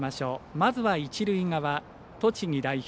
まずは一塁側、栃木代表